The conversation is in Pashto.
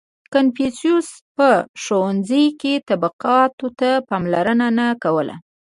• کنفوسیوس په ښوونځي کې طبقاتو ته پاملرنه نه کوله.